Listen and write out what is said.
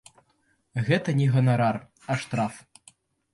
Гэта не ганарар, а штраф.